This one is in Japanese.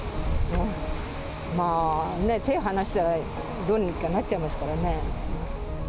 まあね、手を離したらどうにかなっちゃいますからね。